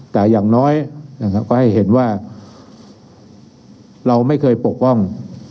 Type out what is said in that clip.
แต่อย่างน้อยนะครับก็ให้เห็นว่าเราไม่เคยปกป้อง